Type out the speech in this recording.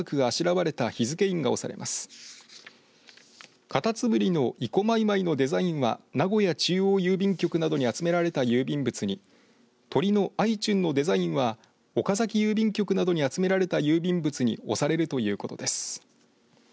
かたつむりのいこまいまいのデザインは名古屋中央郵便局などで集められた郵便物に鳥のあいちゅんのデザインは岡崎郵便局などに集められた郵便物に押されるということです。